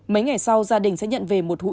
mấy ngày sau gia đình sẽ nhận về một h